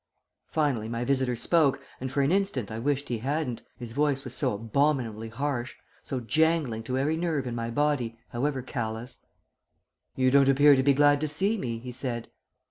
"Finally my visitor spoke, and for an instant I wished he hadn't, his voice was so abominably harsh, so jangling to every nerve in my body, however callous." "'You don't appear to be glad to see me,' he said.